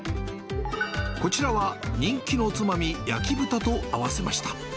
こちらは人気のおつまみ、焼き豚と合わせました。